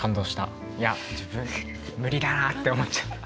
いや自分無理だなあって思っちゃった。